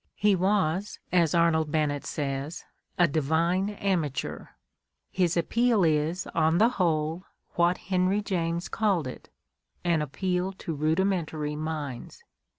He was, as Arnold Bennett says, a "divine amateur"; his appeal is, on the whole, what Henry James called it, an appeal to rudimentary minds.